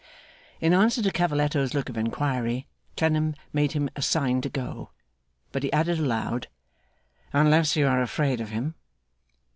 In answer to Cavalletto's look of inquiry, Clennam made him a sign to go; but he added aloud, 'unless you are afraid of him.